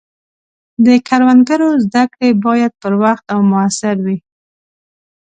د کروندګرو زده کړې باید پر وخت او موثر وي.